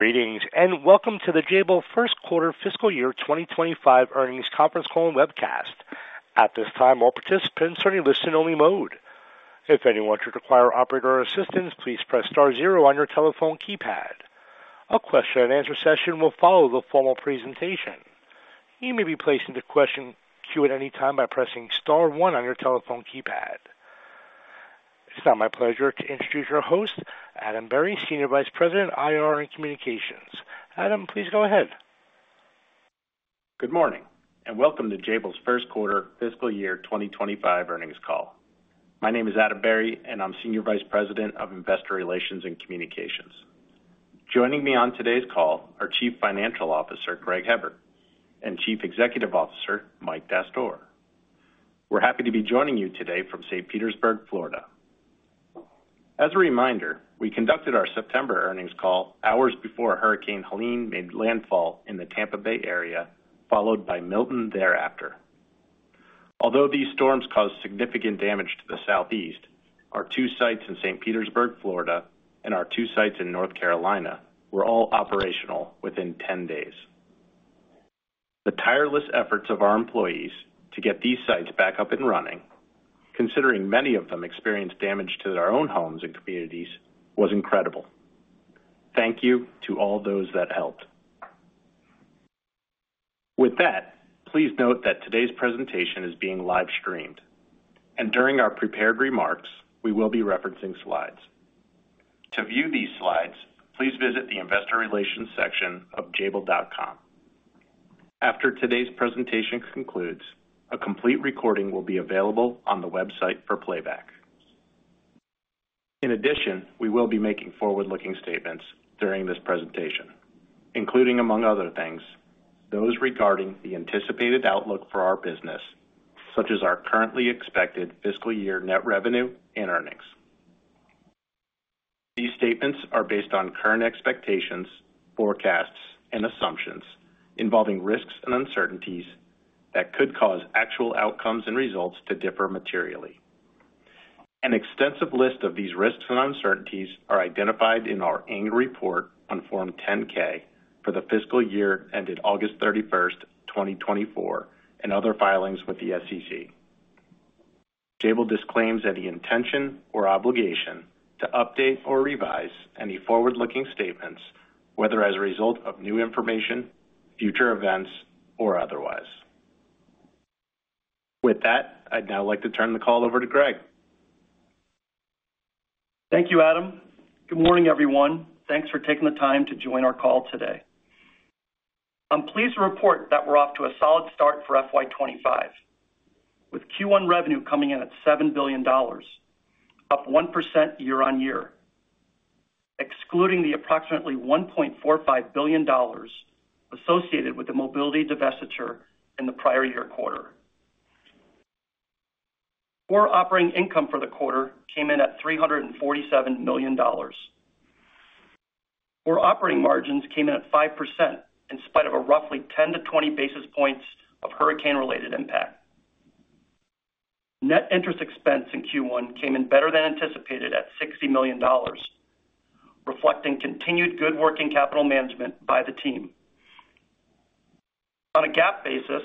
Greetings and welcome to the Jabil first quarter fiscal year 2025 earnings conference call and webcast. At this time, all participants are in listen-only mode. If anyone should require operator assistance, please press star zero on your telephone keypad. A question-and-answer session will follow the formal presentation. You may be placed into question queue at any time by pressing star one on your telephone keypad. It's now my pleasure to introduce your host, Adam Berry, Senior Vice President, IR and Communications. Adam, please go ahead. Good morning and welcome to Jabil's first quarter fiscal year 2025 earnings call. My name is Adam Berry, and I'm Senior Vice President of Investor Relations and Communications. Joining me on today's call are Chief Financial Officer, Greg Hebard, and Chief Executive Officer, Mike Dastoor. We're happy to be joining you today from St. Petersburg, Florida. As a reminder, we conducted our September earnings call hours before Hurricane Helene made landfall in the Tampa Bay area, followed by Milton thereafter. Although these storms caused significant damage to the southeast, our two sites in St. Petersburg, Florida, and our two sites in North Carolina were all operational within 10 days. The tireless efforts of our employees to get these sites back up and running, considering many of them experienced damage to their own homes and communities, was incredible. Thank you to all those that helped. With that, please note that today's presentation is being live-streamed, and during our prepared remarks, we will be referencing slides. To view these slides, please visit the Investor Relations section of Jabil.com. After today's presentation concludes, a complete recording will be available on the website for playback. In addition, we will be making forward-looking statements during this presentation, including, among other things, those regarding the anticipated outlook for our business, such as our currently expected fiscal year net revenue and earnings. These statements are based on current expectations, forecasts, and assumptions involving risks and uncertainties that could cause actual outcomes and results to differ materially. An extensive list of these risks and uncertainties are identified in our annual report on Form 10-K for the fiscal year ended August 31st, 2024, and other filings with the SEC. Jabil disclaims any intention or obligation to update or revise any forward-looking statements, whether as a result of new information, future events, or otherwise. With that, I'd now like to turn the call over to Greg. Thank you Adam. Good morning, everyone. Thanks for taking the time to join our call today. I'm pleased to report that we're off to a solid start for FY 2025, with Q1 revenue coming in at $7 billion, up 1% year-on-year, excluding the approximately $1.45 billion associated with the mobility divestiture in the prior year quarter. Core operating income for the quarter came in at $347 million. Core operating margins came in at 5% in spite of a roughly 10-20 basis points of hurricane-related impact. Net interest expense in Q1 came in better than anticipated at $60 million, reflecting continued good working capital management by the team. On a GAAP basis,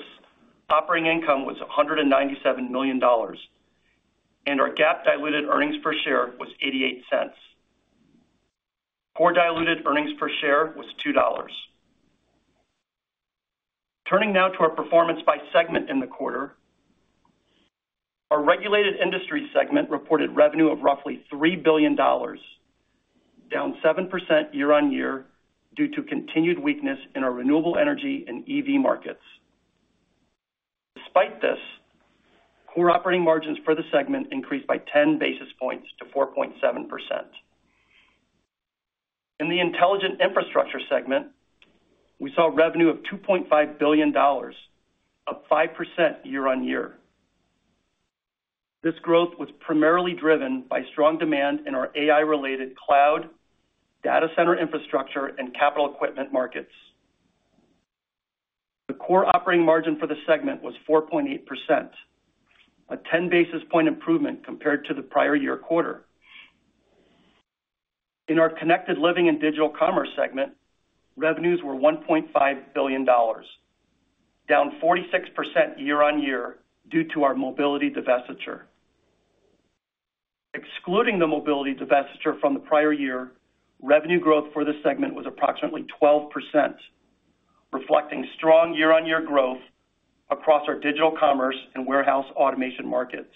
operating income was $197 million, and our GAAP diluted earnings per share was $0.88. Core diluted earnings per share was $2. Turning now to our performance by segment in the quarter, our Regulated Industries segment reported revenue of roughly $3 billion, down 7% year-on-year due to continued weakness in our renewable energy and EV markets. Despite this, core operating margins for the segment increased by 10 basis points to 4.7%. In the Intelligent Infrastructure segment, we saw revenue of $2.5 billion, up 5% year-on-year. This growth was primarily driven by strong demand in our AI-related cloud, data center infrastructure, and capital equipment markets. The core operating margin for the segment was 4.8%, a 10 basis point improvement compared to the prior year quarter. In our Connected Living and Digital Commerce segment, revenues were $1.5 billion, down 46% year-on-year due to our mobility divestiture. Excluding the mobility divestiture from the prior year, revenue growth for the segment was approximately 12%, reflecting strong year-on-year growth across our digital commerce and warehouse automation markets.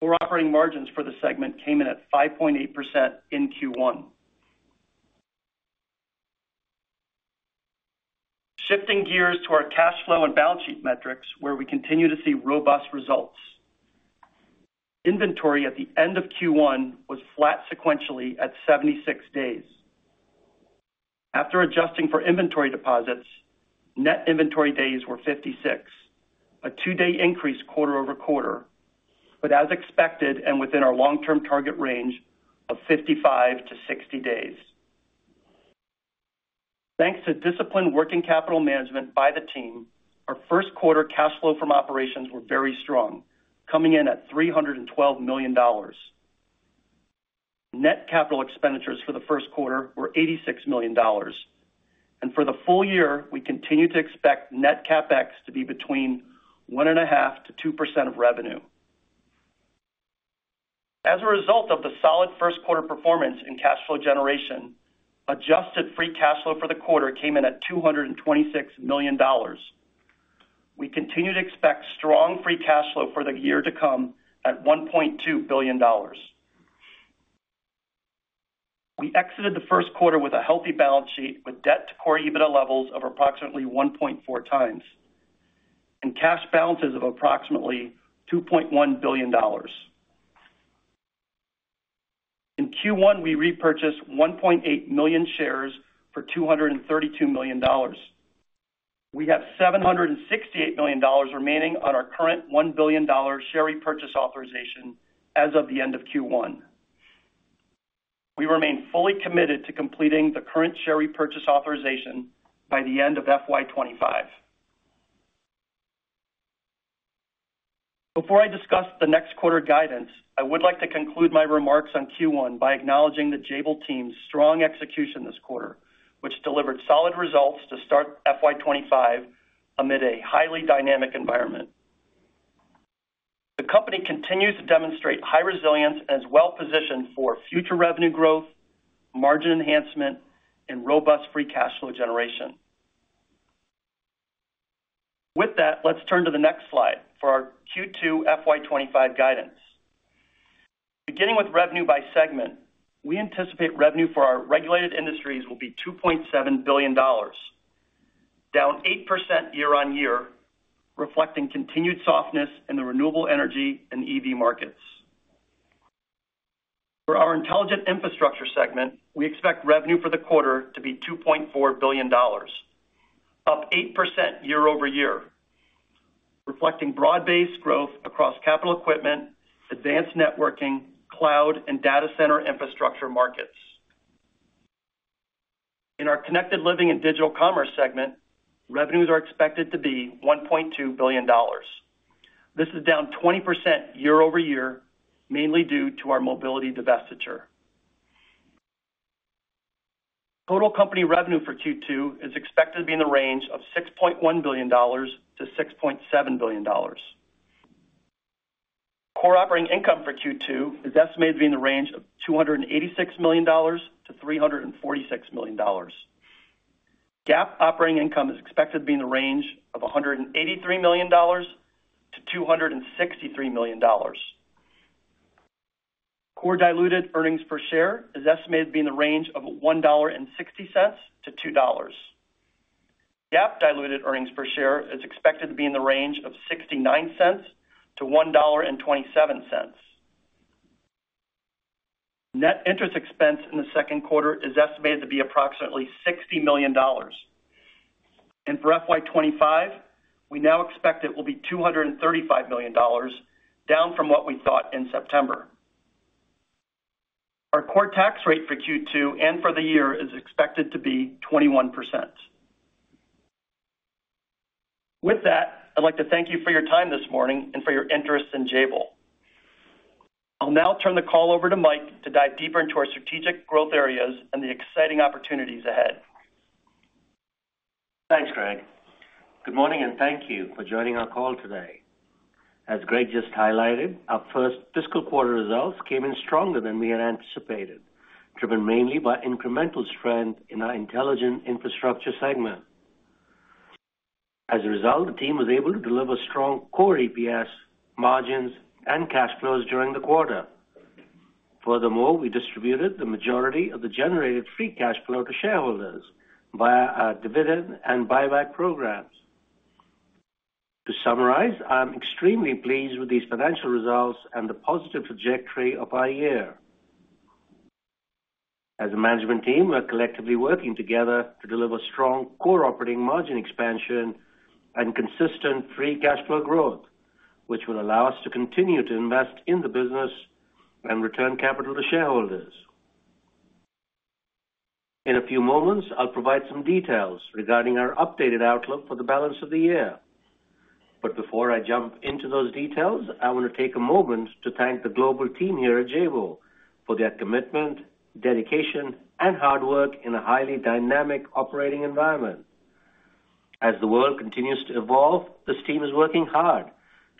Core operating margins for the segment came in at 5.8% in Q1. Shifting gears to our cash flow and balance sheet metrics, where we continue to see robust results. Inventory at the end of Q1 was flat sequentially at 76 days. After adjusting for inventory deposits, net inventory days were 56, a two-day increase quarter over quarter, but as expected and within our long-term target range of 55-60 days. Thanks to disciplined working capital management by the team, our first quarter cash flow from operations was very strong, coming in at $312 million. Net capital expenditures for the first quarter were $86 million, and for the full year, we continue to expect net CapEx to be between 1.5%-2% of revenue. As a result of the solid first quarter performance in cash flow generation, adjusted free cash flow for the quarter came in at $226 million. We continue to expect strong free cash flow for the year to come at $1.2 billion. We exited the first quarter with a healthy balance sheet with debt-to-core EBITDA levels of approximately 1.4x and cash balances of approximately $2.1 billion. In Q1, we repurchased 1.8 million shares for $232 million. We have $768 million remaining on our current $1 billion share repurchase authorization as of the end of Q1. We remain fully committed to completing the current share repurchase authorization by the end of FY 2025. Before I discuss the next quarter guidance, I would like to conclude my remarks on Q1 by acknowledging the Jabil team's strong execution this quarter, which delivered solid results to start FY 2025 amid a highly dynamic environment. The company continues to demonstrate high resilience and is well-positioned for future revenue growth, margin enhancement, and robust free cash flow generation. With that, let's turn to the next slide for our Q2 FY 2025 guidance. Beginning with revenue by segment, we anticipate revenue for our regulated industries will be $2.7 billion, down 8% year-on-year, reflecting continued softness in the renewable energy and EV markets. For our intelligent infrastructure segment, we expect revenue for the quarter to be $2.4 billion, up 8% year-over-year, reflecting broad-based growth across capital equipment, advanced networking, cloud, and data center infrastructure markets. In our connected living and digital commerce segment, revenues are expected to be $1.2 billion. This is down 20% year-over-year, mainly due to our mobility divestiture. Total company revenue for Q2 is expected to be in the range of $6.1 billion-$6.7 billion. Core operating income for Q2 is estimated to be in the range of $286 million-$346 million. GAAP operating income is expected to be in the range of $183 million-$263 million. Core diluted earnings per share is estimated to be in the range of $1.60-$2. GAAP diluted earnings per share is expected to be in the range of $0.69-$1.27. Net interest expense in the second quarter is estimated to be approximately $60 million, and for FY 2025, we now expect it will be $235 million, down from what we thought in September. Our core tax rate for Q2 and for the year is expected to be 21%. With that, I'd like to thank you for your time this morning and for your interest in Jabil. I'll now turn the call over to Mike to dive deeper into our strategic growth areas and the exciting opportunities ahead. Thanks Greg. Good morning and thank you for joining our call today. As Greg just highlighted, our first fiscal quarter results came in stronger than we had anticipated, driven mainly by incremental strength in our intelligent infrastructure segment. As a result, the team was able to deliver strong core EPS, margins, and cash flows during the quarter. Furthermore, we distributed the majority of the generated free cash flow to shareholders via our dividend and buyback programs. To summarize, I'm extremely pleased with these financial results and the positive trajectory of our year. As a management team, we're collectively working together to deliver strong core operating margin expansion and consistent free cash flow growth, which will allow us to continue to invest in the business and return capital to shareholders. In a few moments, I'll provide some details regarding our updated outlook for the balance of the year. But before I jump into those details, I want to take a moment to thank the global team here at Jabil for their commitment, dedication, and hard work in a highly dynamic operating environment. As the world continues to evolve, this team is working hard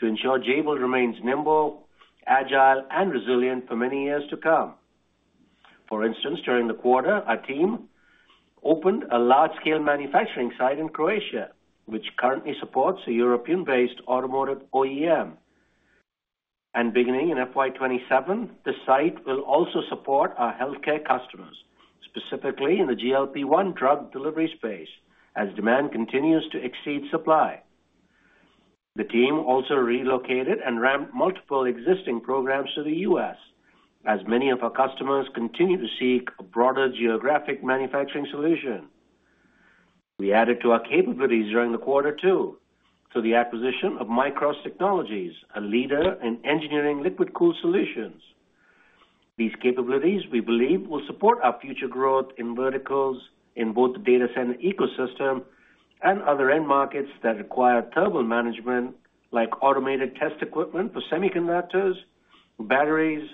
to ensure Jabil remains nimble, agile, and resilient for many years to come. For instance, during the quarter, our team opened a large-scale manufacturing site in Croatia, which currently supports a European-based automotive OEM. And beginning in FY 2027, the site will also support our healthcare customers, specifically in the GLP-1 drug delivery space, as demand continues to exceed supply. The team also relocated and ramped multiple existing programs to the U.S., as many of our customers continue to seek a broader geographic manufacturing solution. We added to our capabilities during the quarter too through the acquisition of Mikros Technologies, a leader in engineering liquid-cooled solutions. These capabilities, we believe, will support our future growth in verticals in both the data center ecosystem and other end markets that require thermal management, like automated test equipment for semiconductors, batteries,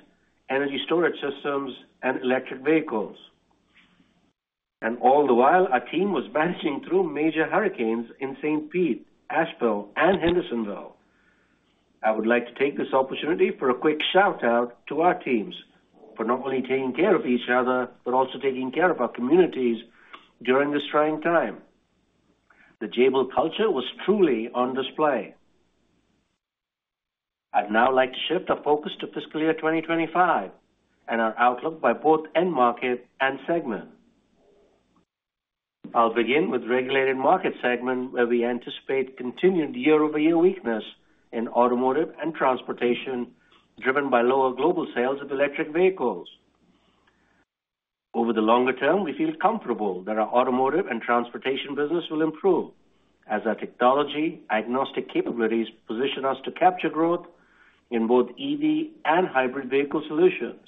energy storage systems, and electric vehicles, and all the while, our team was managing through major hurricanes in St. Pete, Asheville, and Hendersonville. I would like to take this opportunity for a quick shout-out to our teams for not only taking care of each other but also taking care of our communities during this trying time. The Jabil culture was truly on display. I'd now like to shift our focus to fiscal year 2025 and our outlook by both end market and segment. I'll begin with regulated market segment, where we anticipate continued year-over-year weakness in automotive and transportation, driven by lower global sales of electric vehicles. Over the longer term, we feel comfortable that our automotive and transportation business will improve, as our technology agnostic capabilities position us to capture growth in both EV and hybrid vehicle solutions.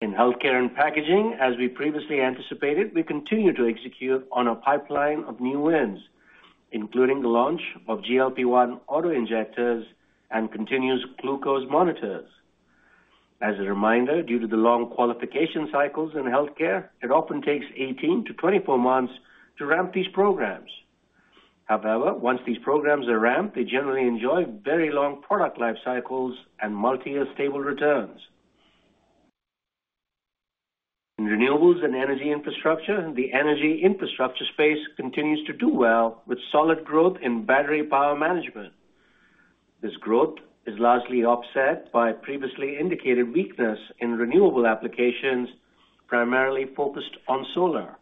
In healthcare and packaging, as we previously anticipated, we continue to execute on a pipeline of new wins, including the launch of GLP-1 auto-injectors and continuous glucose monitors. As a reminder, due to the long qualification cycles in healthcare, it often takes 18 to 24 months to ramp these programs. However, once these programs are ramped, they generally enjoy very long product life cycles and multi-year stable returns. In renewables and energy infrastructure, the energy infrastructure space continues to do well with solid growth in battery power management. This growth is largely offset by previously indicated weakness in renewable applications primarily focused on solar.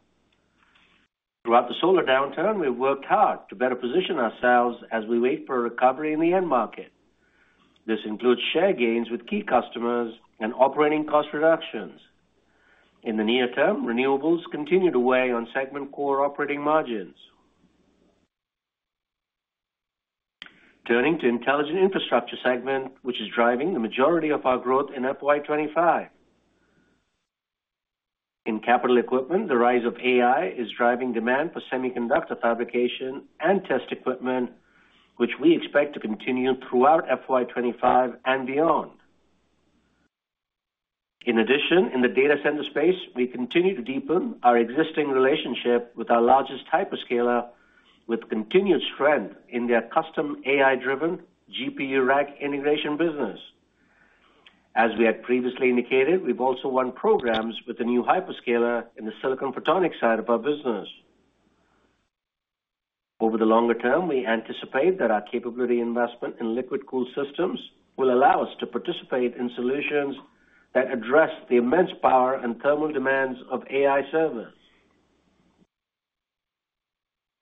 Throughout the solar downturn, we've worked hard to better position ourselves as we wait for a recovery in the end market. This includes share gains with key customers and operating cost reductions. In the near term, renewables continue to weigh on segment core operating margins. Turning to intelligent infrastructure segment, which is driving the majority of our growth in FY 2025. In capital equipment, the rise of AI is driving demand for semiconductor fabrication and test equipment, which we expect to continue throughout FY 2025 and beyond. In addition, in the data center space, we continue to deepen our existing relationship with our largest hyperscaler, with continued strength in their custom AI-driven GPU rack integration business. As we had previously indicated, we've also won programs with a new hyperscaler in the silicon photonics side of our business. Over the longer term, we anticipate that our capability investment in liquid-cooled systems will allow us to participate in solutions that address the immense power and thermal demands of AI servers.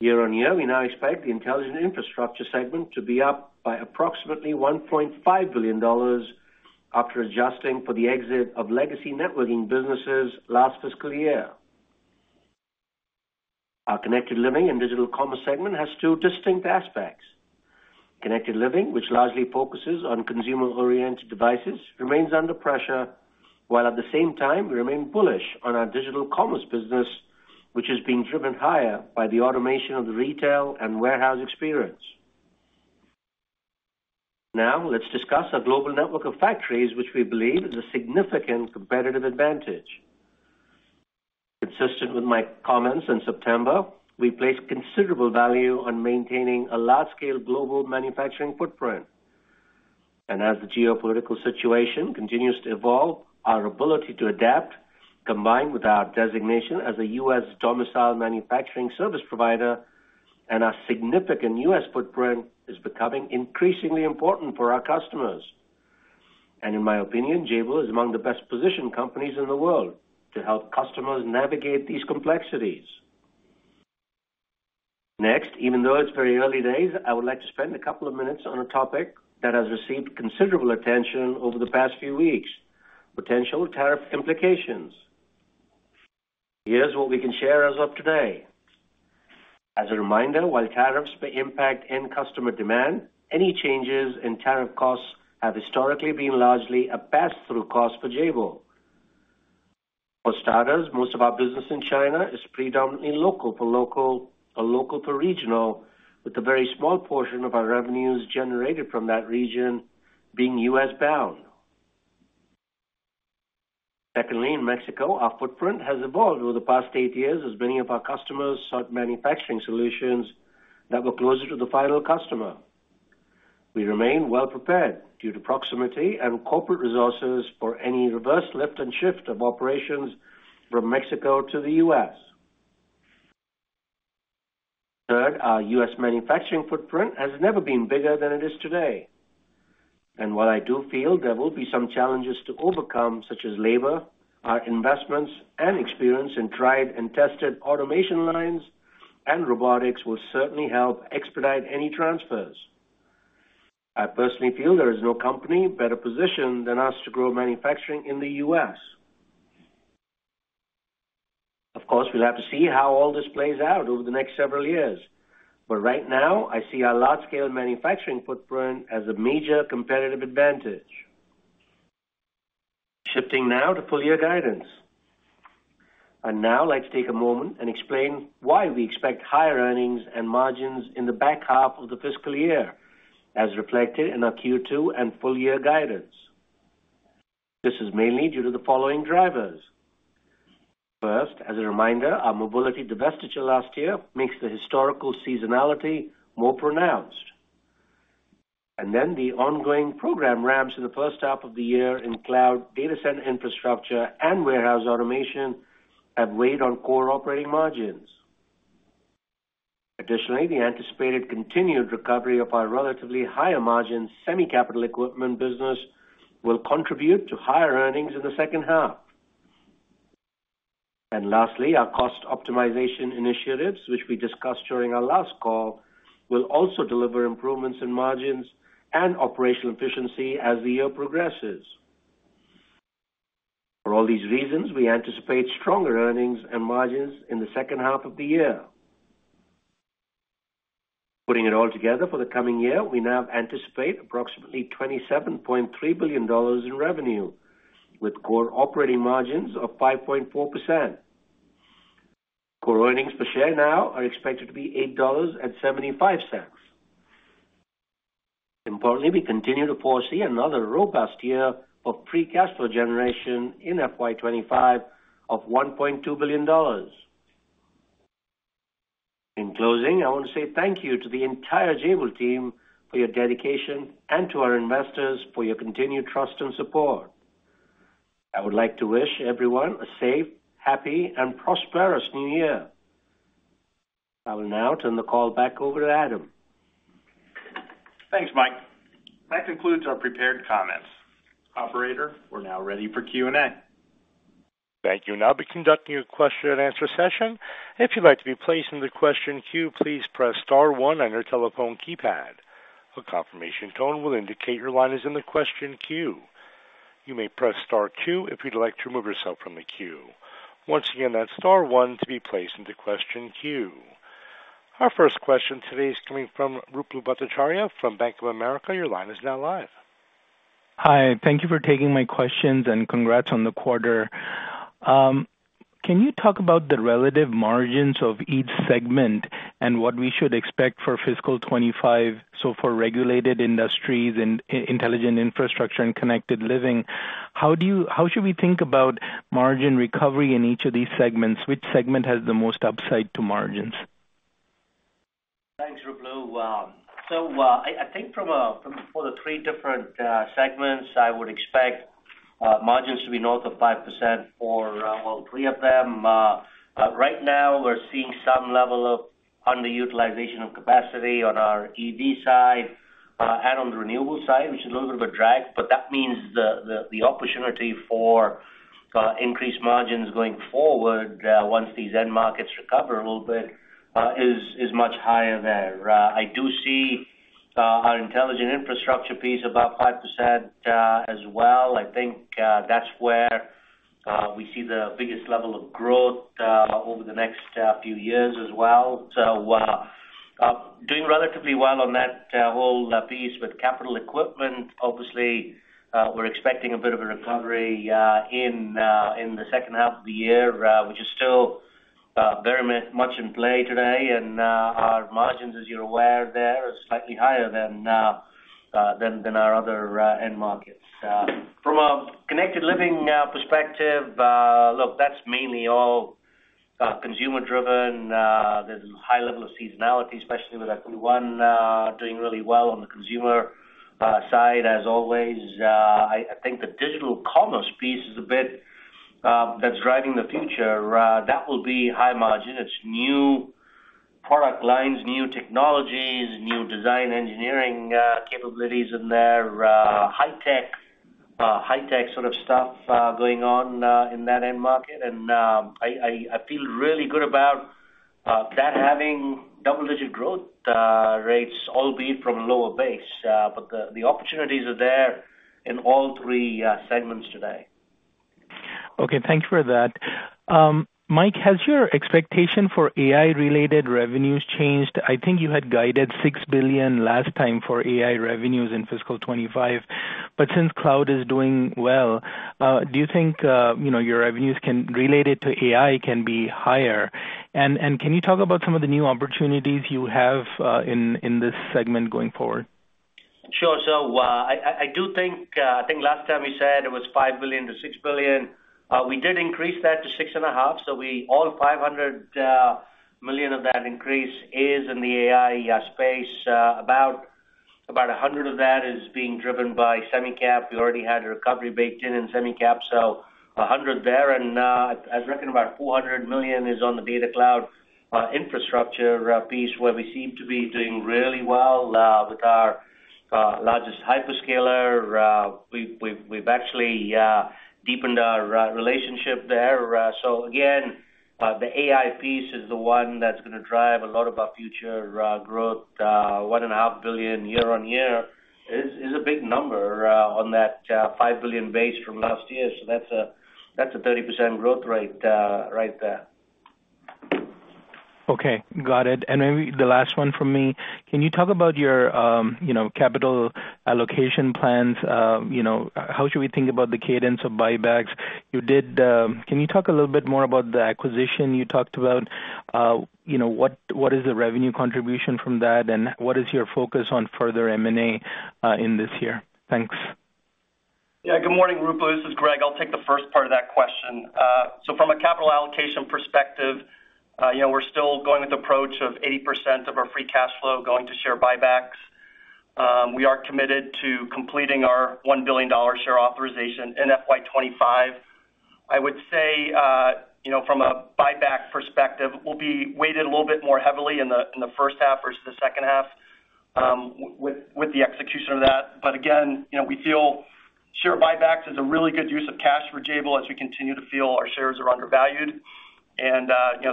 Year-on-year, we now expect the Intelligent Infrastructure segment to be up by approximately $1.5 billion after adjusting for the exit of legacy networking businesses last fiscal year. Our Connected Living and Digital Commerce segment has two distinct aspects. Connected Living, which largely focuses on consumer-oriented devices, remains under pressure, while at the same time, we remain bullish on our Digital Commerce business, which is being driven higher by the automation of the retail and warehouse experience. Now, let's discuss our global network of factories, which we believe is a significant competitive advantage. Consistent with my comments in September, we place considerable value on maintaining a large-scale global manufacturing footprint. As the geopolitical situation continues to evolve, our ability to adapt, combined with our designation as a U.S. domicile manufacturing service provider and our significant U.S. footprint, is becoming increasingly important for our customers. In my opinion, Jabil is among the best-positioned companies in the world to help customers navigate these complexities. Next, even though it's very early days, I would like to spend a couple of minutes on a topic that has received considerable attention over the past few weeks: potential tariff implications. Here's what we can share as of today. As a reminder, while tariffs may impact end customer demand, any changes in tariff costs have historically been largely a pass-through cost for Jabil. For starters, most of our business in China is predominantly local for local or local for regional, with a very small portion of our revenues generated from that region being U.S.-bound. Secondly, in Mexico, our footprint has evolved over the past eight years as many of our customers sought manufacturing solutions that were closer to the final customer. We remain well-prepared due to proximity and corporate resources for any reverse lift and shift of operations from Mexico to the U.S. Third, our U.S. manufacturing footprint has never been bigger than it is today. And while I do feel there will be some challenges to overcome, such as labor, our investments, and experience in tried-and-tested automation lines and robotics will certainly help expedite any transfers. I personally feel there is no company better positioned than us to grow manufacturing in the U.S. Of course, we'll have to see how all this plays out over the next several years. But right now, I see our large-scale manufacturing footprint as a major competitive advantage. Shifting now to full-year guidance. I'd now like to take a moment and explain why we expect higher earnings and margins in the back half of the fiscal year, as reflected in our Q2 and full-year guidance. This is mainly due to the following drivers. First, as a reminder, our mobility divestiture last year makes the historical seasonality more pronounced, and then the ongoing program ramps in the first half of the year in cloud, data center infrastructure, and warehouse automation have weighed on core operating margins. Additionally, the anticipated continued recovery of our relatively higher-margin semi-capital equipment business will contribute to higher earnings in the second half, and lastly, our cost optimization initiatives, which we discussed during our last call, will also deliver improvements in margins and operational efficiency as the year progresses. For all these reasons, we anticipate stronger earnings and margins in the second half of the year. Putting it all together for the coming year, we now anticipate approximately $27.3 billion in revenue, with core operating margins of 5.4%. Core earnings per share now are expected to be $8.75. Importantly, we continue to foresee another robust year of free cash flow generation in FY 2025 of $1.2 billion. In closing, I want to say thank you to the entire Jabil team for your dedication and to our investors for your continued trust and support. I would like to wish everyone a safe, happy, and prosperous new year. I will now turn the call back over to Adam. Thanks, Mike. That concludes our prepared comments. Operator, we're now ready for Q&A. Thank you. Now, I'll be conducting a question-and-answer session. If you'd like to be placed in the question queue, please press Star one on your telephone keypad. A confirmation tone will indicate your line is in the question queue. You may press Star two if you'd like to remove yourself from the queue. Once again, that's Star one to be placed in the question queue. Our first question today is coming from Ruplu Bhattacharya from Bank of America. Your line is now live. Hi. Thank you for taking my questions and congrats on the quarter. Can you talk about the relative margins of each segment and what we should expect for fiscal 25? So for regulated industries and intelligent infrastructure and connected living, how should we think about margin recovery in each of these segments? Which segment has the most upside to margins? Thanks Ruplu so I think for the three different segments, I would expect margins to be north of 5% for all three of them. Right now, we're seeing some level of underutilization of capacity on our EV side and on the renewable side, which is a little bit of a drag, but that means the opportunity for increased margins going forward once these end markets recover a little bit is much higher there. I do see our intelligent infrastructure piece about 5% as well. I think that's where we see the biggest level of growth over the next few years as well, so doing relatively well on that whole piece with capital equipment, obviously, we're expecting a bit of a recovery in the second half of the year, which is still very much in play today. And our margins, as you're aware there, are slightly higher than our other end markets. From a connected living perspective, look, that's mainly all consumer-driven. There's a high level of seasonality, especially with FY 2021 doing really well on the consumer side, as always. I think the digital commerce piece is a bit that's driving the future. That will be high margin. It's new product lines, new technologies, new design engineering capabilities in there, high-tech sort of stuff going on in that end market. And I feel really good about that having double-digit growth rates, albeit from a lower base. But the opportunities are there in all three segments today. Okay. Thanks for that. Mike, has your expectation for AI-related revenues changed? I think you had guided $6 billion last time for AI revenues in fiscal 2025. But since cloud is doing well, do you think your revenues related to AI can be higher? And can you talk about some of the new opportunities you have in this segment going forward? Sure. So I think last time we said it was $5 billion-$6 billion. We did increase that to $6.5 billion. So all $500 million of that increase is in the AI space. About $100 million of that is being driven by Semi-cap. We already had a recovery baked in in Semi-cap, so $100 million there. And I reckon about $400 million is on the data cloud infrastructure piece where we seem to be doing really well with our largest hyperscaler. We've actually deepened our relationship there. So again, the AI piece is the one that's going to drive a lot of our future growth. $1.5 billion year-on-year is a big number on that $5 billion base from last year. So that's a 30% growth rate right there. Okay. Got it. And maybe the last one for me. Can you talk about your capital allocation plans? How should we think about the cadence of buybacks? Can you talk a little bit more about the acquisition you talked about? What is the revenue contribution from that? And what is your focus on further M&A in this year? Thanks. Yeah. Good morning, Ruplu. This is Greg. I'll take the first part of that question. So from a capital allocation perspective, we're still going with the approach of 80% of our free cash flow going to share buybacks. We are committed to completing our $1 billion share authorization in FY 2025. I would say from a buyback perspective, we'll be weighted a little bit more heavily in the first half versus the second half with the execution of that. But again, we feel share buybacks is a really good use of cash for Jabil as we continue to feel our shares are undervalued and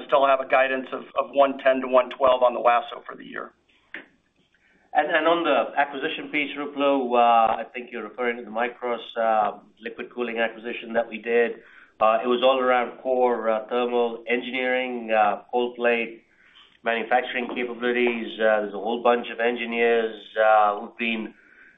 still have a guidance of $110-$112 on the low side for the year. On the acquisition piece, Ruplu, I think you're referring to the Mikros liquid cooling acquisition that we did. It was all around core thermal engineering, cold plate manufacturing capabilities. There's a whole bunch of engineers who've been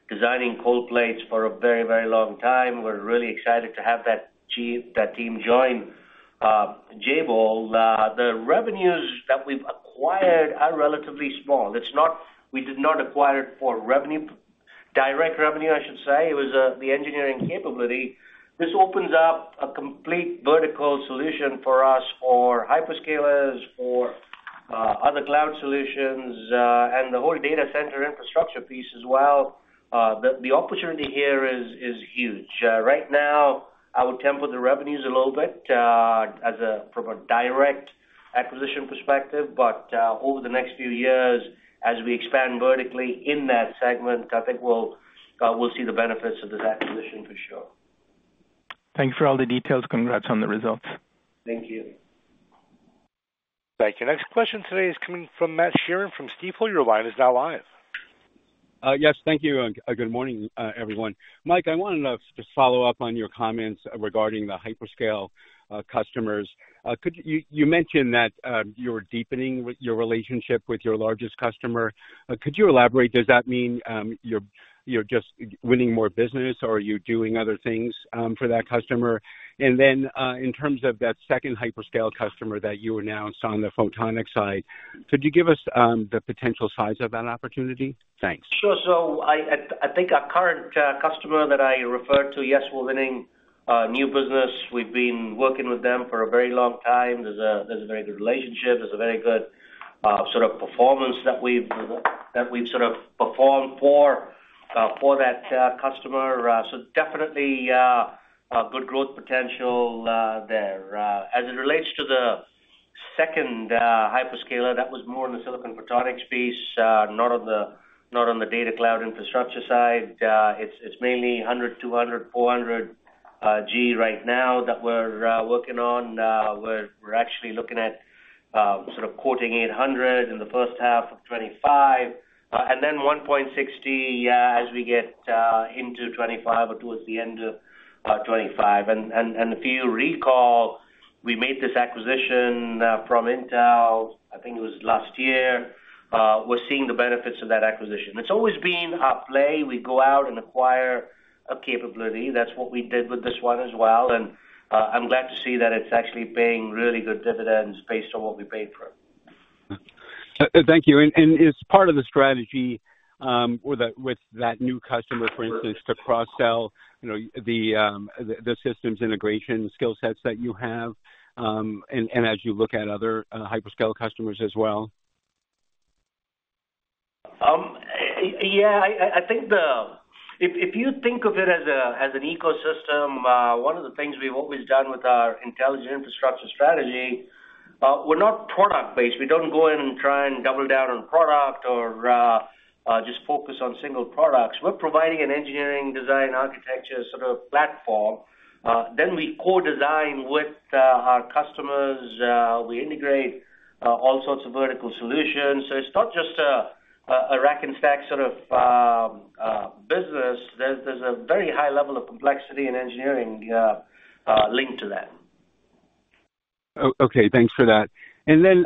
designing cold plates for a very, very long time. We're really excited to have that team join Jabil. The revenues that we've acquired are relatively small. We did not acquire it for direct revenue, I should say. It was the engineering capability. This opens up a complete vertical solution for us for hyperscalers, for other cloud solutions, and the whole data center infrastructure piece as well. The opportunity here is huge. Right now, I would temper the revenues a little bit from a direct acquisition perspective. But over the next few years, as we expand vertically in that segment, I think we'll see the benefits of this acquisition for sure. Thanks for all the details. Congrats on the results. Thank you. Thank you. Next question today is coming from Matt Sheerin from Stifel. Your line is now live. Yes. Thank you. Good morning, everyone. Mike, I wanted to just follow up on your comments regarding the hyperscale customers. You mentioned that you're deepening your relationship with your largest customer. Could you elaborate? Does that mean you're just winning more business, or are you doing other things for that customer? And then in terms of that second hyperscale customer that you announced on the photonic side, could you give us the potential size of that opportunity? Thanks. Sure. So I think our current customer that I referred to, yes, we're winning new business. We've been working with them for a very long time. There's a very good relationship. There's a very good sort of performance that we've sort of performed for that customer. So definitely good growth potential there. As it relates to the second hyperscaler, that was more in the silicon photonics piece, not on the data center infrastructure side. It's mainly 100G, 200G, 400G right now that we're working on. We're actually looking at sort of quoting 800G in the first half of 2025, and then 1.6T as we get into 2025 or towards the end of 2025. And if you recall, we made this acquisition from Intel, I think it was last year. We're seeing the benefits of that acquisition. It's always been our play. We go out and acquire a capability. That's what we did with this one as well. And I'm glad to see that it's actually paying really good dividends based on what we paid for it. Thank you. And is part of the strategy with that new customer, for instance, to cross-sell the systems integration skill sets that you have and as you look at other hyperscale customers as well? Yeah. I think if you think of it as an ecosystem, one of the things we've always done with our intelligent infrastructure strategy, we're not product-based. We don't go in and try and double down on product or just focus on single products. We're providing an engineering design architecture sort of platform. Then we co-design with our customers. We integrate all sorts of vertical solutions. So it's not just a rack and stack sort of business. There's a very high level of complexity and engineering linked to that. Okay. Thanks for that. And then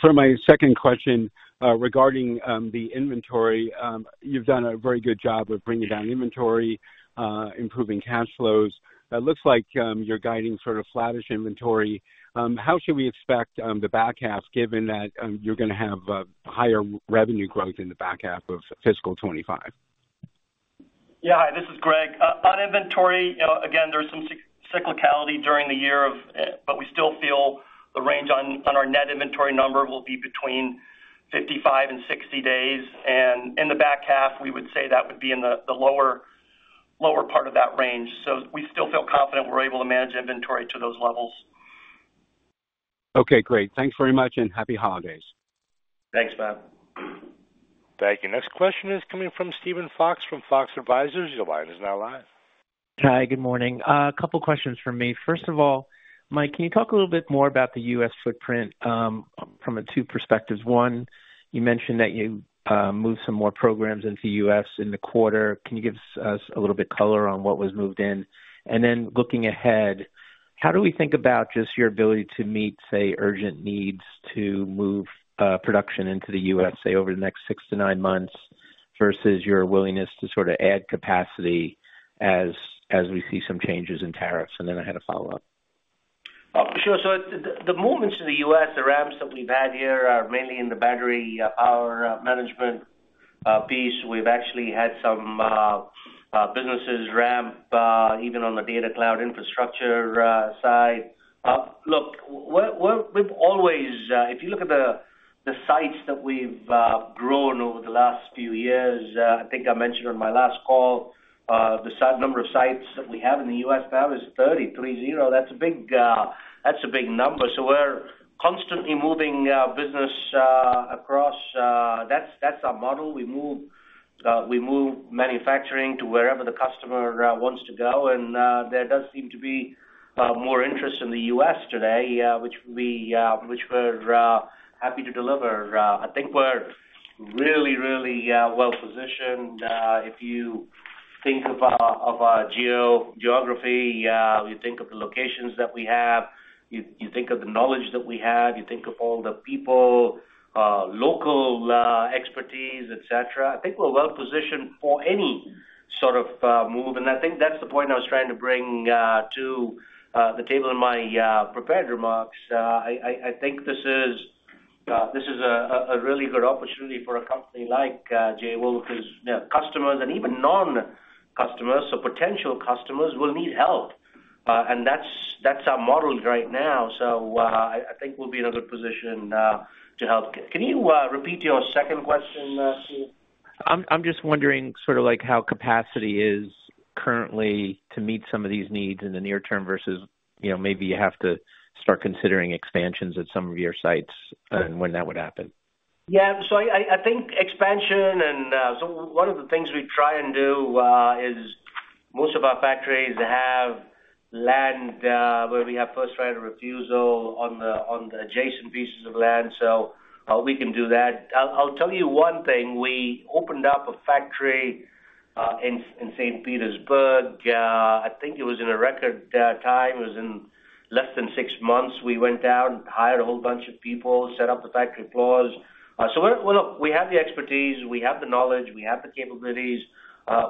for my second question regarding the inventory, you've done a very good job of bringing down inventory, improving cash flows. It looks like you're guiding sort of flattish inventory. How should we expect the back half, given that you're going to have higher revenue growth in the back half of fiscal 2025? Yeah. This is Greg. On inventory, again, there's some cyclicality during the year, but we still feel the range on our net inventory number will be between 55 and 60 days, and in the back half, we would say that would be in the lower part of that range, so we still feel confident we're able to manage inventory to those levels. Okay. Great. Thanks very much and happy holidays. Thanks, Matt. Thank you. Next question is coming from Steven Fox from Fox Advisors. Your line is now live. Hi. Good morning. A couple of questions for me. First of all, Mike, can you talk a little bit more about the U.S. footprint from the two perspectives? One, you mentioned that you moved some more programs into the U.S. in the quarter. Can you give us a little bit of color on what was moved in? And then looking ahead, how do we think about just your ability to meet, say, urgent needs to move production into the U.S., say, over the next six to nine months versus your willingness to sort of add capacity as we see some changes in tariffs? And then I had a follow-up. Sure. So the movements in the U.S., the ramps that we've had here are mainly in the battery power management piece. We've actually had some businesses ramp even on the data cloud infrastructure side. Look, if you look at the sites that we've grown over the last few years, I think I mentioned on my last call, the number of sites that we have in the U.S. now is 33,000. That's a big number. So we're constantly moving business across. That's our model. We move manufacturing to wherever the customer wants to go. And there does seem to be more interest in the U.S. today, which we're happy to deliver. I think we're really, really well-positioned. If you think of our geography, you think of the locations that we have, you think of the knowledge that we have, you think of all the people, local expertise, etc., I think we're well-positioned for any sort of move. And I think that's the point I was trying to bring to the table in my prepared remarks. I think this is a really good opportunity for a company like Jabil because customers and even non-customers, so potential customers, will need help. And that's our model right now. So I think we'll be in a good position to help. Can you repeat your second question, Steve? I'm just wondering sort of how capacity is currently to meet some of these needs in the near term versus maybe you have to start considering expansions at some of your sites and when that would happen? Yeah. So I think expansion, and so one of the things we try and do is most of our factories have land where we have right of first refusal on the adjacent pieces of land. So we can do that. I'll tell you one thing. We opened up a factory in St. Petersburg. I think it was in a record time. It was in less than six months. We went down, hired a whole bunch of people, set up the factory floors. So look, we have the expertise. We have the knowledge. We have the capabilities.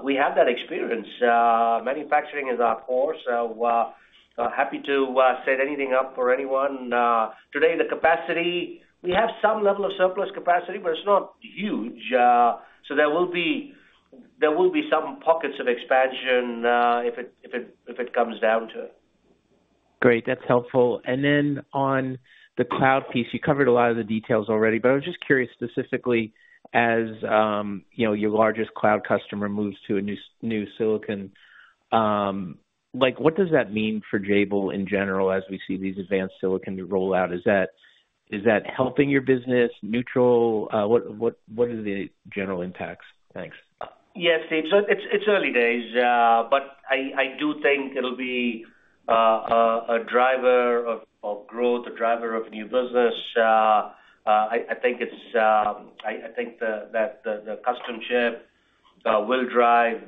We have that experience. Manufacturing is our core. So happy to set anything up for anyone. Today, the capacity, we have some level of surplus capacity, but it's not huge. So there will be some pockets of expansion if it comes down to it. Great. That's helpful. And then on the cloud piece, you covered a lot of the details already, but I was just curious specifically as your largest cloud customer moves to a new silicon, what does that mean for Jabil in general as we see these advanced silicon roll out? Is that helping your business neutral? What are the general impacts? Thanks. Yes, Steve. So it's early days, but I do think it'll be a driver of growth, a driver of new business. I think that the custom chip will drive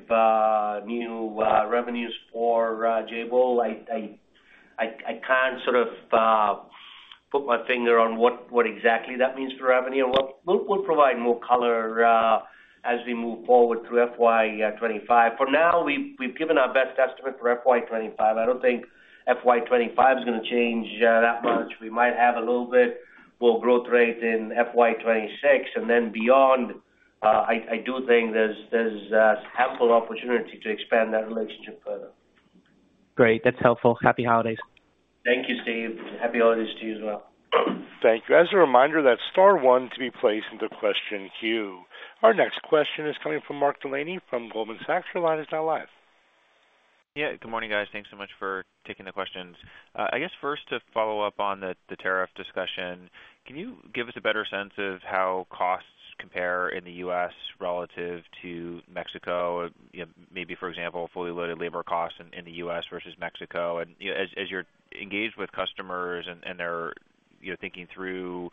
new revenues for Jabil. I can't sort of put my finger on what exactly that means for revenue. We'll provide more color as we move forward through FY 2025. For now, we've given our best estimate for FY 2025. I don't think FY 2025 is going to change that much. We might have a little bit more growth rate in FY2026. And then beyond, I do think there's ample opportunity to expand that relationship further. Great. That's helpful. Happy holidays. Thank you, Steve. Happy holidays to you as well. Thank you. As a reminder, that's star one to be placed into question Q. Our next question is coming from Mark Delaney from Goldman Sachs. Your line is now live. Yeah. Good morning, guys. Thanks so much for taking the questions. I guess first to follow up on the tariff discussion, can you give us a better sense of how costs compare in the U.S. relative to Mexico, maybe, for example, fully loaded labor costs in the U.S. versus Mexico? And as you're engaged with customers and they're thinking through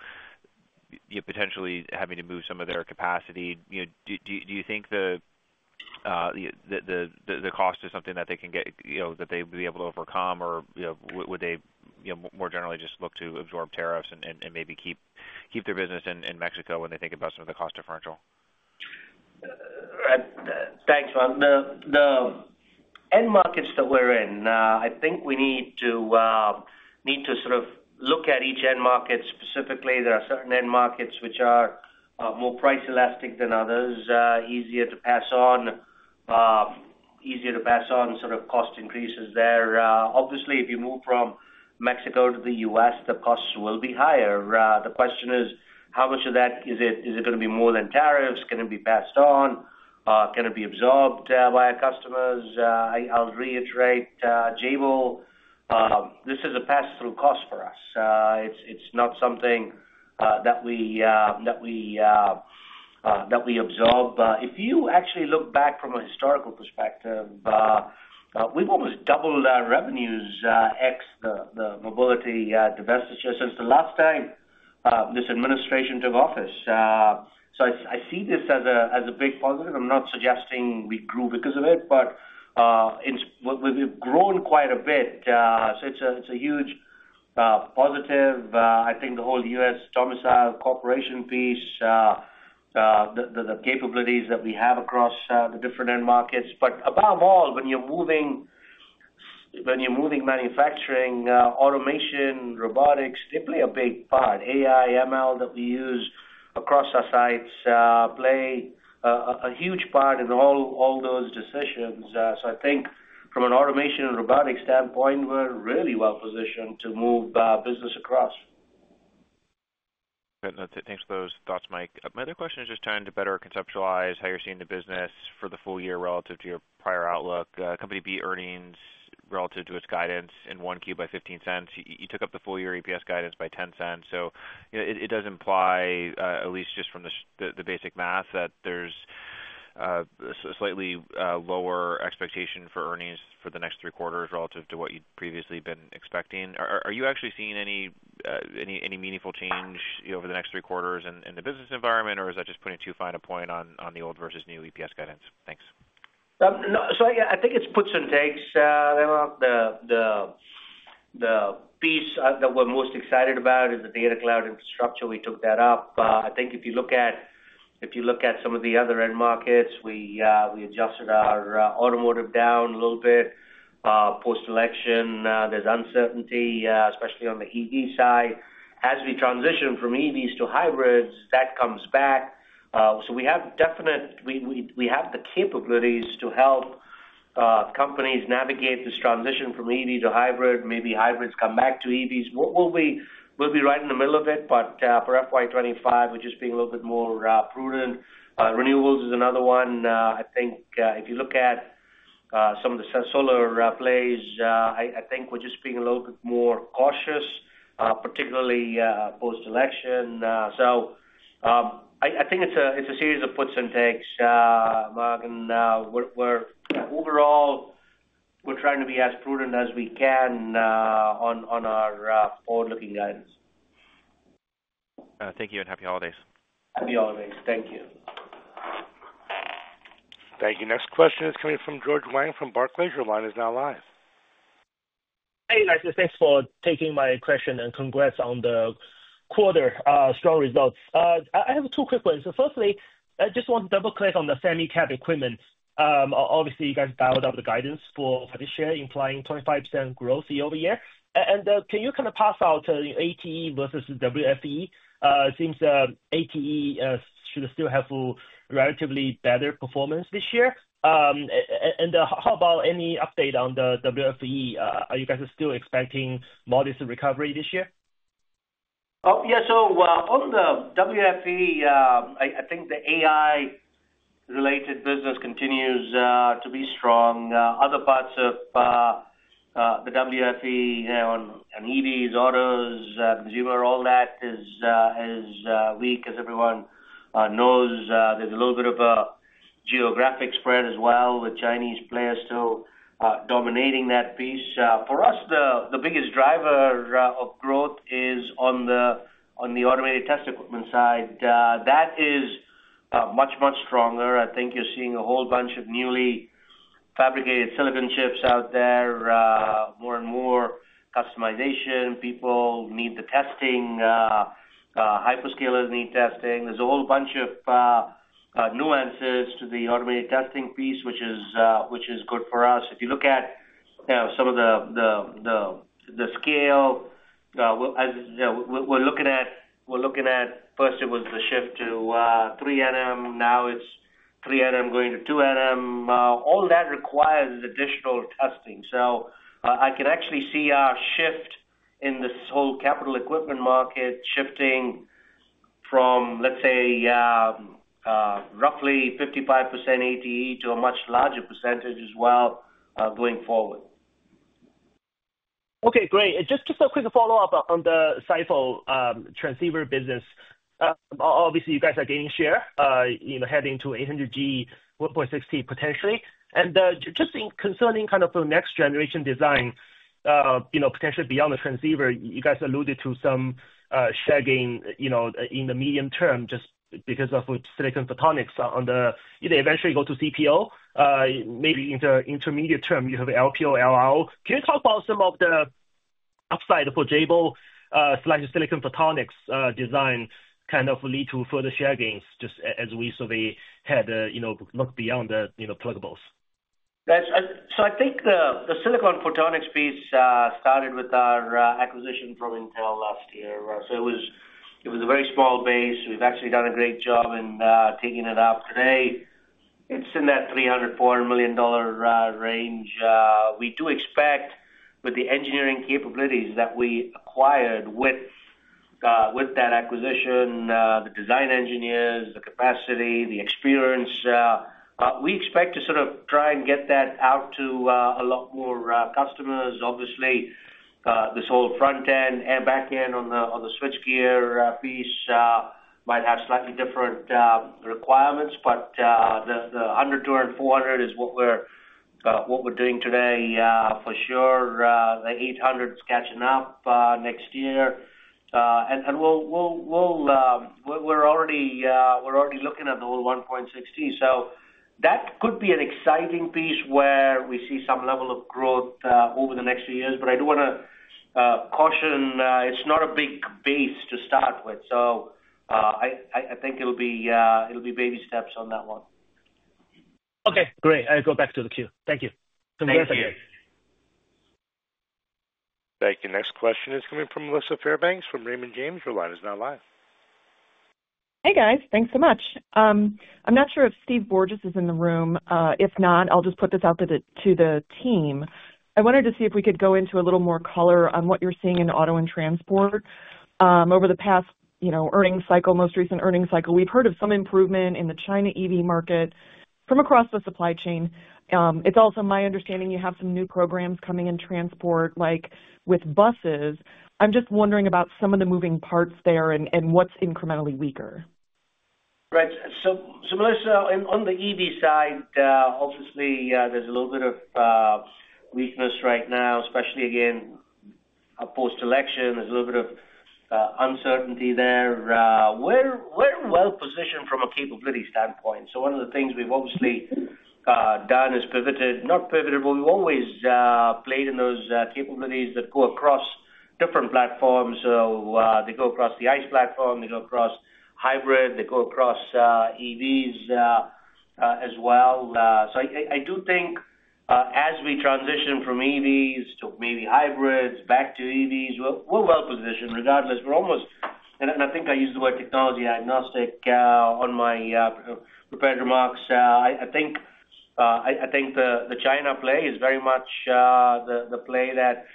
potentially having to move some of their capacity, do you think the cost is something that they can get that they would be able to overcome, or would they more generally just look to absorb tariffs and maybe keep their business in Mexico when they think about some of the cost differential? Thanks. The end markets that we're in, I think we need to sort of look at each end market specifically. There are certain end markets which are more price elastic than others, easier to pass on, easier to pass on sort of cost increases there. Obviously, if you move from Mexico to the US, the costs will be higher. The question is, how much of that is it going to be more than tariffs? Can it be passed on? Can it be absorbed by our customers? I'll reiterate, Jabil, this is a pass-through cost for us. It's not something that we absorb. If you actually look back from a historical perspective, we've almost doubled our revenues ex the mobility divestiture since the last time this administration took office, so I see this as a big positive. I'm not suggesting we grew because of it, but we've grown quite a bit. So it's a huge positive. I think the whole U.S.-domiciled corporation piece, the capabilities that we have across the different end markets, but above all, when you're moving manufacturing, automation, robotics, they play a big part. AI, ML that we use across our sites play a huge part in all those decisions, so I think from an automation and robotics standpoint, we're really well-positioned to move business across. Thanks for those thoughts, Mike. My other question is just trying to better conceptualize how you're seeing the business for the full year relative to your prior outlook. The company beat earnings relative to its guidance in Q1 by $0.15. You took up the full year EPS guidance by $0.10. So it does imply, at least just from the basic math, that there's a slightly lower expectation for earnings for the next three quarters relative to what you'd previously been expecting. Are you actually seeing any meaningful change over the next three quarters in the business environment, or is that just putting too fine a point on the old versus new EPS guidance? Thanks. So yeah, I think it's puts and takes. The piece that we're most excited about is the data cloud infrastructure. We took that up. I think if you look at some of the other end markets, we adjusted our automotive down a little bit post-election. There's uncertainty, especially on the EV side. As we transition from EVs to hybrids, that comes back. So we have the capabilities to help companies navigate this transition from EV to hybrid. Maybe hybrids come back to EVs. We'll be right in the middle of it, but for FY 2025, we're just being a little bit more prudent. Renewables is another one. I think if you look at some of the solar plays, I think we're just being a little bit more cautious, particularly post-election. So I think it's a series of puts and takes. Mark, and now, overall, we're trying to be as prudent as we can on our forward-looking guidance. Thank you and happy holidays. Happy holidays. Thank you. Thank you. Next question is coming from George Wang from Barclays. Your line is now live. Hey, guys. Thanks for taking my question and congrats on the strong quarter results. I have two quick questions. First, I just want to double-click on the semicon cap equipment. Obviously, you guys dialed up the guidance for this year, implying 25% growth year-over-year. And can you kind of break out ATE versus WFE? It seems ATE should still have relatively better performance this year. And how about any update on the WFE? Are you guys still expecting modest recovery this year? Oh, yeah. So on the WFE, I think the AI-related business continues to be strong. Other parts of the WFE on EVs, autos, consumer, all that is weak, as everyone knows. There's a little bit of a geographic spread as well, with Chinese players still dominating that piece. For us, the biggest driver of growth is on the automated test equipment side. That is much, much stronger. I think you're seeing a whole bunch of newly fabricated silicon chips out there, more and more customization. People need the testing. Hyperscalers need testing. There's a whole bunch of nuances to the automated testing piece, which is good for us. If you look at some of the scale, we're looking at first, it was the shift to 3nm. Now it's 3nm going to 2nm. All that requires is additional testing. So I can actually see our shift in this whole capital equipment market shifting from, let's say, roughly 55% ATE to a much larger percentage as well going forward. Okay. Great. Just a quick follow-up on the SiPho transceiver business. Obviously, you guys are gaining share, heading to 800G, 1.6T potentially. And just concerning kind of the next-generation design, potentially beyond the transceiver, you guys alluded to some share gain in the medium term just because of silicon photonics. Either eventually go to CPO, maybe in the intermediate term, you have LPO, LRO. Can you talk about some of the upside for Jabil silicon photonics design kind of lead to further share gains just as we sort of had looked beyond the pluggables? So I think the silicon photonics piece started with our acquisition from Intel last year. So it was a very small base. We've actually done a great job in taking it up. Today, it's in that $300million-$400 million range. We do expect, with the engineering capabilities that we acquired with that acquisition, the design engineers, the capacity, the experience, we expect to sort of try and get that out to a lot more customers. Obviously, this whole front-end and back-end on the switchgear piece might have slightly different requirements, but the 100, 200, 400 is what we're doing today for sure. The 800 is catching up next year. And we're already looking at the whole 1.6T. So that could be an exciting piece where we see some level of growth over the next few years. But I do want to caution, it's not a big base to start with. So I think it'll be baby steps on that one. Okay. Great. I'll go back to the Q. Thank you. Congratulations. Thank you. Thank you. Next question is coming from Melissa Fairbanks from Raymond James. Your line is now live. Hey, guys. Thanks so much. I'm not sure if Steve Borges is in the room. If not, I'll just put this out to the team. I wanted to see if we could go into a little more color on what you're seeing in auto and transport over the past earnings cycle, most recent earnings cycle. We've heard of some improvement in the China EV market from across the supply chain. It's also my understanding you have some new programs coming in transport like with buses. I'm just wondering about some of the moving parts there and what's incrementally weaker. Right. So Melissa, on the EV side, obviously, there's a little bit of weakness right now, especially again post-election. There's a little bit of uncertainty there. We're well-positioned from a capability standpoint. So one of the things we've obviously done is pivoted, not pivoted, but we've always played in those capabilities that go across different platforms. So they go across the ICE platform. They go across hybrid. They go across EVs as well. So I do think as we transition from EVs to maybe hybrids back to EVs, we're well-positioned regardless. And I think I used the word technology agnostic on my prepared remarks. I think the China play is very much the play that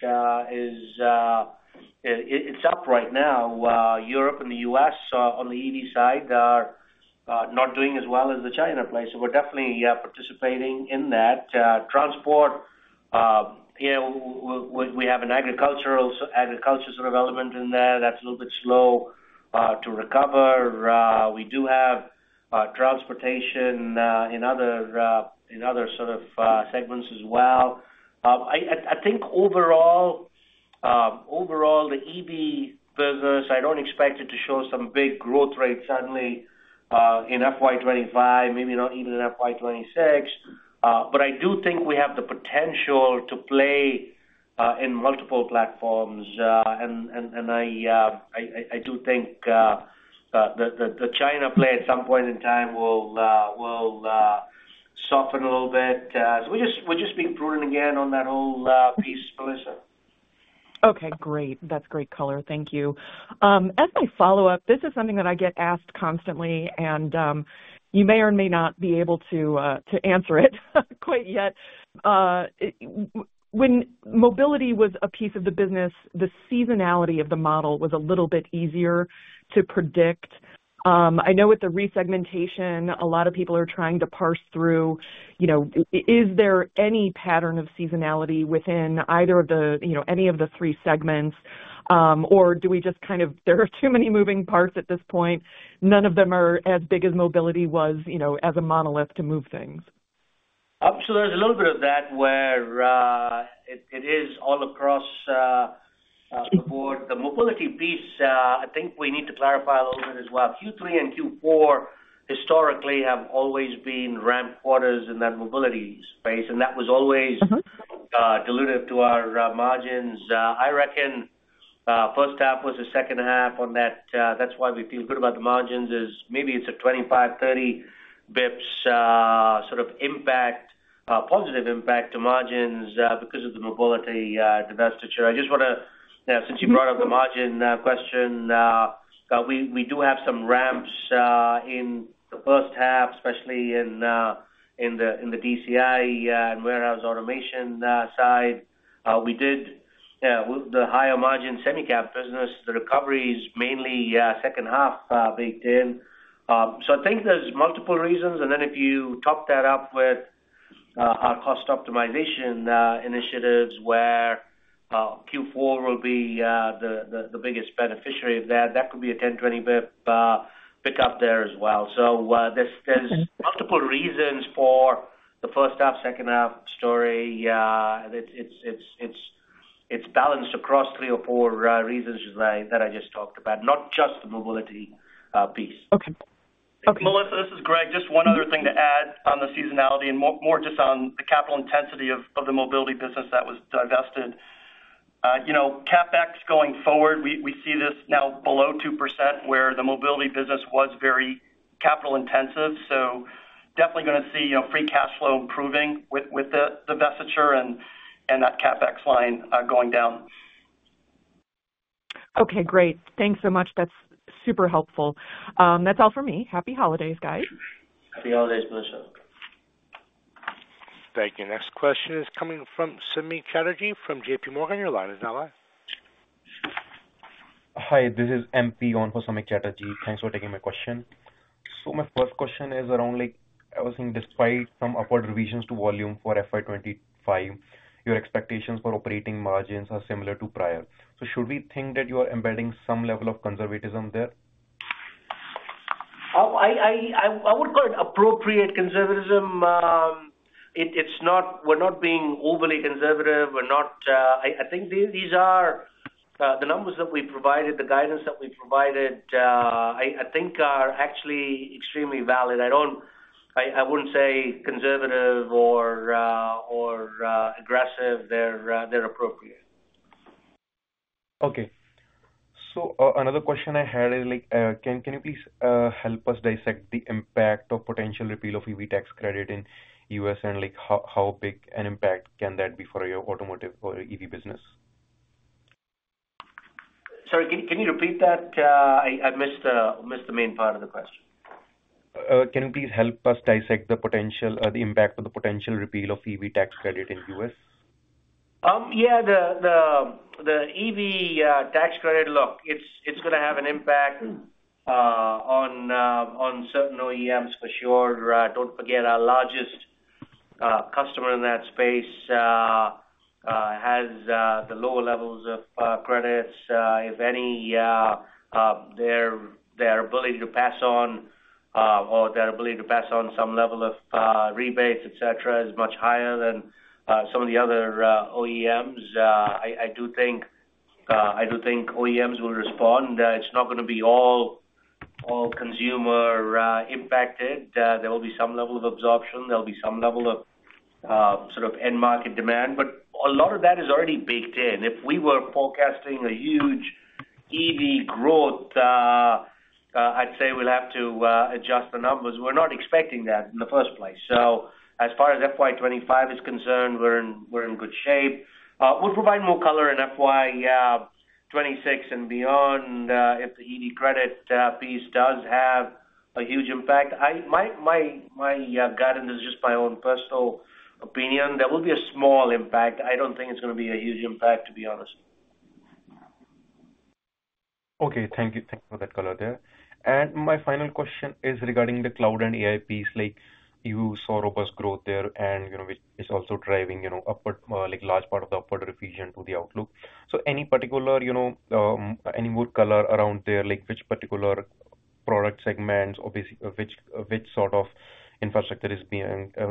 it's up right now. Europe and the U.S. on the EV side are not doing as well as the China play. So we're definitely participating in that. Transport, we have an agricultural sort of element in there that's a little bit slow to recover. We do have transportation in other sort of segments as well. I think overall, the EV business, I don't expect it to show some big growth rate suddenly in FY 2025, maybe not even in FY 2026. But I do think we have the potential to play in multiple platforms. And I do think the China play at some point in time will soften a little bit. So we're just being prudent again on that whole piece, Melissa. Okay. Great. That's great color. Thank you. As my follow-up, this is something that I get asked constantly, and you may or may not be able to answer it quite yet. When mobility was a piece of the business, the seasonality of the model was a little bit easier to predict. I know with the resegmentation, a lot of people are trying to parse through. Is there any pattern of seasonality within any of the three segments, or do we just kind of, there are too many moving parts at this point? None of them are as big as mobility was as a monolith to move things. So there's a little bit of that where it is all across the board. The mobility piece, I think we need to clarify a little bit as well. Q3 and Q4 historically have always been ramp quarters in that mobility space, and that was always diluted to our margins. I reckon first half was the second half on that. That's why we feel good about the margins, is maybe it's a 25-30 basis points sort of impact, positive impact to margins because of the mobility divestiture. I just want to, since you brought up the margin question, we do have some ramps in the first half, especially in the DCI and warehouse automation side. We did the higher margin semi-cab business. The recovery is mainly second half baked in. So I think there's multiple reasons. And then if you top that up with our cost optimization initiatives where Q4 will be the biggest beneficiary of that, that could be a 10-20 basis point pickup there as well. So there's multiple reasons for the first half, second half story. It's balanced across three or four reasons that I just talked about, not just the mobility piece. Okay. Melissa, this is Greg. Just one other thing to add on the seasonality and more just on the capital intensity of the mobility business that was divested. CapEx going forward, we see this now below 2% where the mobility business was very capital intensive. So definitely going to see free cash flow improving with the divestiture and that CapEx line going down. Okay. Great. Thanks so much. That's super helpful. That's all for me. Happy holidays, guys. Happy holidays, Melissa. Thank you. Next question is coming from Samik Chatterjee from JPMorgan. Your line is now live. Hi. This is J.P. Morgan Samik Chatterjee. Thanks for taking my question. So my first question is around, I was saying, despite some upward revisions to volume for FY 2025, your expectations for operating margins are similar to prior. So should we think that you are embedding some level of conservatism there? I would call it appropriate conservatism. We're not being overly conservative. I think these are the numbers that we provided, the guidance that we provided, I think are actually extremely valid. I wouldn't say conservative or aggressive. They're appropriate. Okay, so another question I had is, can you please help us dissect the impact of potential repeal of EV tax credit in the U.S. and how big an impact can that be for your automotive or EV business? Sorry, can you repeat that? I missed the main part of the question. Can you please help us dissect the potential or the impact of the potential repeal of EV tax credit in the U.S.? Yeah. The EV tax credit, look, it's going to have an impact on certain OEMs for sure. Don't forget, our largest customer in that space has the lower levels of credits, if any. Their ability to pass on some level of rebates, etc., is much higher than some of the other OEMs. I do think OEMs will respond. It's not going to be all consumer impacted. There will be some level of absorption. There'll be some level of sort of end market demand. But a lot of that is already baked in. If we were forecasting a huge EV growth, I'd say we'll have to adjust the numbers. We're not expecting that in the first place. So as far as FY 2025 is concerned, we're in good shape. We'll provide more color in FY 2026 and beyond if the EV credit piece does have a huge impact. My guidance is just my own personal opinion. There will be a small impact. I don't think it's going to be a huge impact, to be honest. Okay. Thank you for that color there. And my final question is regarding the cloud and AI piece. You saw robust growth there, and it's also driving a large part of the upward revision to the outlook. So any particular, any more color around there, which particular product segments, which sort of infrastructure is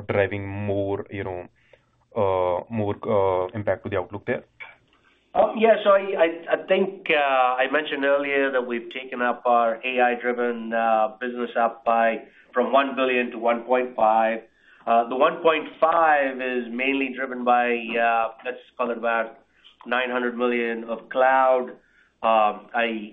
driving more impact to the outlook there? Yeah. So I think I mentioned earlier that we've taken up our AI-driven business up by from $1 billion to $1.5 billion. The $1.5 billion is mainly driven by, let's call it about $900 million of cloud.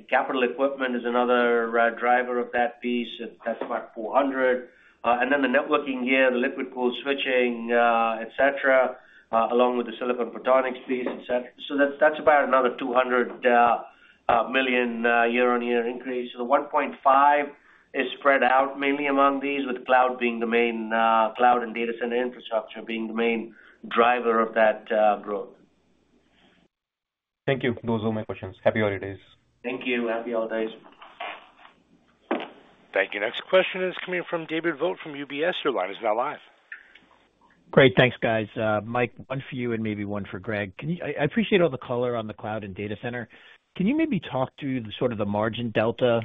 Capital equipment is another driver of that piece. That's about $400 million. And then the networking gear, the liquid-cooled switching, etc., along with the silicon photonics piece, etc. So that's about another $200 million year-on-year increase. So the $1.5 billion is spread out mainly among these, with cloud being the main cloud and data center infrastructure being the main driver of that growth. Thank you. Those are my questions. Happy holidays. Thank you. Happy holidays. Thank you. Next question is coming from David Vogt from UBS. Your line is now live. Great. Thanks, guys. Mike, one for you and maybe one for Greg. I appreciate all the color on the cloud and data center. Can you maybe talk to sort of the margin delta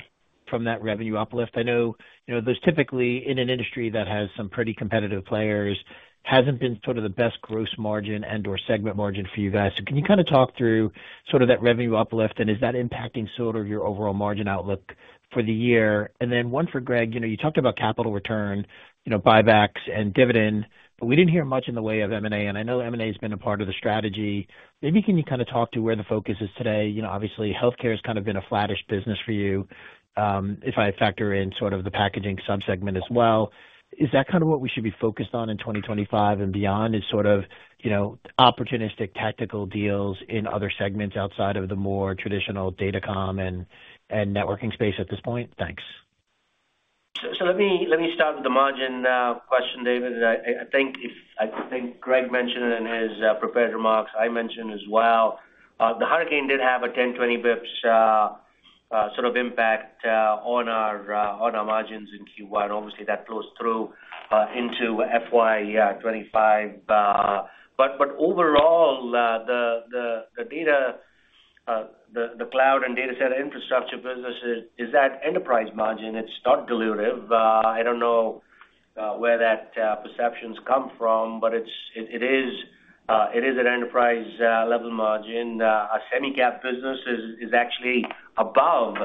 from that revenue uplift? I know there's typically, in an industry that has some pretty competitive players, hasn't been sort of the best gross margin and/or segment margin for you guys. So can you kind of talk through sort of that revenue uplift, and is that impacting sort of your overall margin outlook for the year? And then one for Greg, you talked about capital return, buybacks, and dividend, but we didn't hear much in the way of M&A. And I know M&A has been a part of the strategy. Maybe can you kind of talk to where the focus is today? Obviously, healthcare has kind of been a flattish business for you. If I factor in sort of the packaging subsegment as well, is that kind of what we should be focused on in 2025 and beyond, is sort of opportunistic tactical deals in other segments outside of the more traditional datacom and networking space at this point? Thanks. So let me start with the margin question, David. I think Greg mentioned it in his prepared remarks. I mentioned as well. The hurricane did have a 10-20 basis points sort of impact on our margins in Q1. Obviously, that flows through into FY 2025. But overall, the data, the cloud and data center infrastructure business is at enterprise margin. It's not dilutive. I don't know where that perceptions come from, but it is at enterprise-level margin. Our semi-cap business is actually above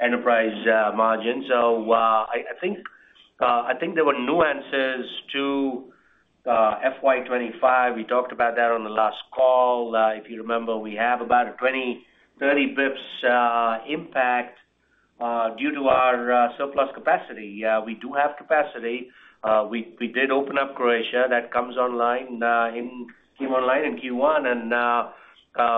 enterprise margin. So I think there were nuances to FY 2025. We talked about that on the last call. If you remember, we have about a 20-30 basis points impact due to our surplus capacity. We do have capacity. We did open up Croatia. That comes online in Q1. And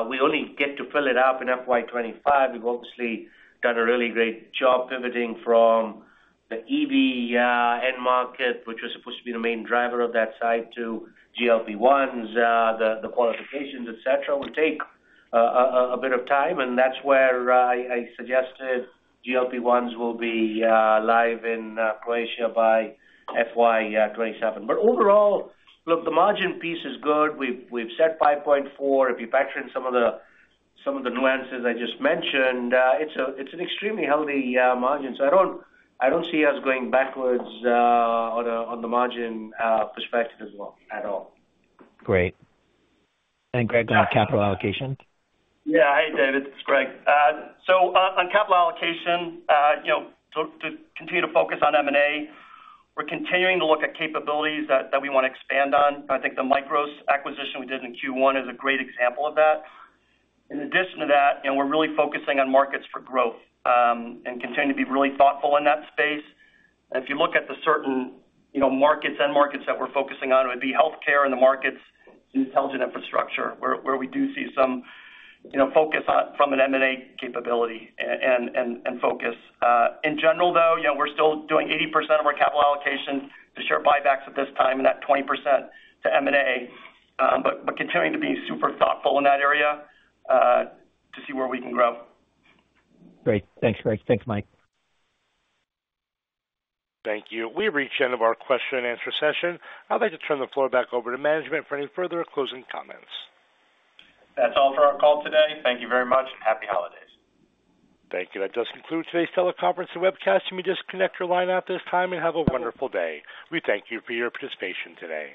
we only get to fill it up in FY 2025. We've obviously done a really great job pivoting from the EV end market, which was supposed to be the main driver of that site, to GLP-1s, the qualifications, etc. It will take a bit of time, and that's where I suggested GLP-1s will be live in Croatia by FY 2027, but overall, look, the margin piece is good. We've set 5.4%. If you factor in some of the nuances I just mentioned, it's an extremely healthy margin, so I don't see us going backwards on the margin perspective at all. Great. And Greg, on capital allocation? Yeah. Hey, David. It's Greg. So on capital allocation, to continue to focus on M&A, we're continuing to look at capabilities that we want to expand on. I think the Mikros acquisition we did in Q1 is a great example of that. In addition to that, we're really focusing on markets for growth and continue to be really thoughtful in that space. And if you look at the certain markets, end markets that we're focusing on, it would be healthcare and the markets in intelligent infrastructure, where we do see some focus from an M&A capability and focus. In general, though, we're still doing 80% of our capital allocation to share buybacks at this time and that 20% to M&A, but continuing to be super thoughtful in that area to see where we can grow. Great. Thanks, Greg. Thanks, Mike. Thank you. We've reached the end of our question-and-answer session. I'd like to turn the floor back over to management for any further closing comments. That's all for our call today. Thank you very much. Happy holidays. Thank you. That does conclude today's teleconference and webcast. You may just connect your line at this time and have a wonderful day. We thank you for your participation today.